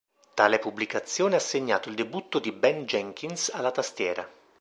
Tale pubblicazione ha segnato il debutto di Ben Jenkins alla tastiera.